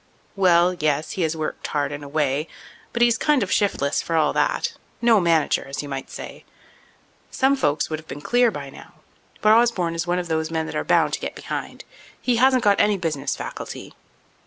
"Well, yes, he has worked hard in a way. But he's kind of shiftless, for all that—no manager, as you might say. Some folks would have been clear by now, but Osborne is one of those men that are bound to get behind. He hasn't got any business faculty."